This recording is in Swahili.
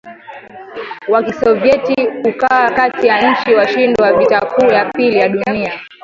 wa Kisovyeti ukawa kati ya nchi washindi wa vita kuu ya pili ya dunia